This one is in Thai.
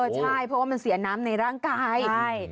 ใช่เพราะว่ามันเสียน้ำในร่างกาย